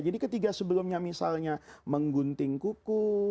jadi ketiga sebelumnya misalnya menggunting kuku